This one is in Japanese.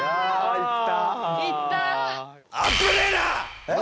行った。